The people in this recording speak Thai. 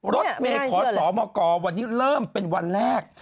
รถเมย์ขอสมกวันนี้เริ่มเป็นวันแรก